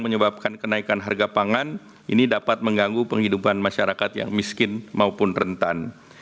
pemerintah telah menerapkan strategi untuk melindungi masyarakat miskin dan rentan